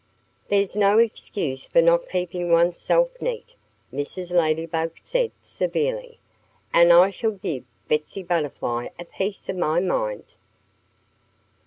"There's no excuse for not keeping oneself neat," Mrs. Ladybug said severely. "And I shall give Betsy Butterfly a piece of my mind."